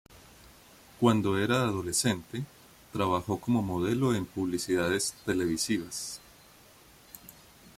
Cuando era adolescente, trabajó como modelo en publicidades televisivas.